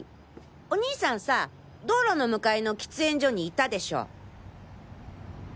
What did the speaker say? お兄さんさ道路の向かいの喫煙所にいたでしょ。